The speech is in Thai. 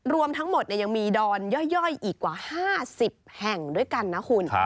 รวมทั้งหมดยังมีดอนย่อยอีกกว่า๕๐แห่งด้วยกันนะคุณ